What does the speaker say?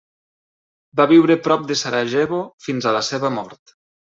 Va viure prop de Sarajevo fins a la seva mort.